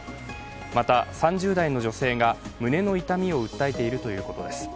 また、３０代の女性が胸の痛みを訴えているということです。